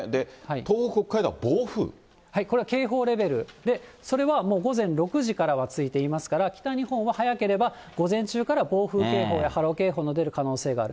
東北、これは警報レベルで、それはもう午前６時からはついていますから、北日本は早ければ午前中から暴風警報や波浪警報の出る可能性がある。